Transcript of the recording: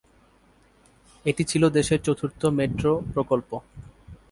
এটি ছিল দেশের চতুর্থ মেট্রো প্রকল্প।